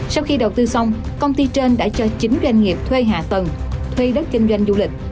sau khi đầu tư xong công ty trên đã cho chín doanh nghiệp thuê hạ tầng thuê đất kinh doanh du lịch